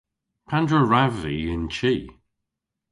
Pandr'a wrav vy y'n chi?